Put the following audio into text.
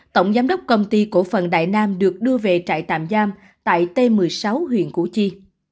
hai nghìn hai mươi một tổng giám đốc công ty cổ phần đại nam được đưa về trại tạm giam tại t một mươi sáu huyện củ chi